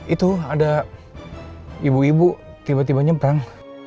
itu ada ibu ibu tiba tiba nyebrang